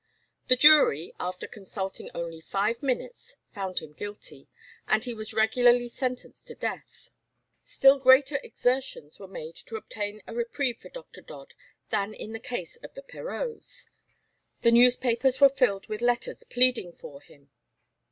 The jury after consulting only five minutes found him guilty, and he was regularly sentenced to death. Still greater exertions were made to obtain a reprieve for Dr. Dodd than in the case of the Perreaus. The newspapers were filled with letters pleading for him.